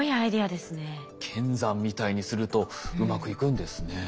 剣山みたいにするとうまくいくんですね。